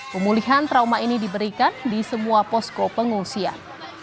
pemulihan trauma ini diberikan di semua posko pengungsian